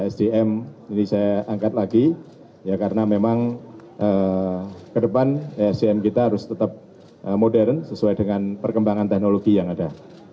sdm ini saya angkat lagi ya karena memang ke depan sdm kita harus tetap modern sesuai dengan perkembangan teknologi yang ada